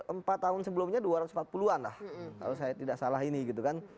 empat tahun sebelumnya dua ratus empat puluh an lah kalau saya tidak salah ini gitu kan